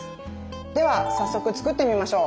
では早速作ってみましょう！